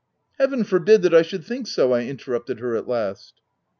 57 " Heaven forbid that I should think so !" I interrupted at last.